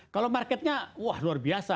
kalau marketnya wah luar biasa